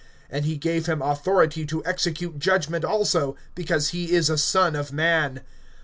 (27)And he gave him authority to execute judgment also, because he is a son of man.